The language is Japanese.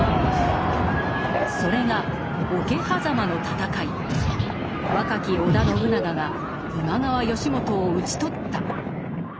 それが若き織田信長が今川義元を討ち取った。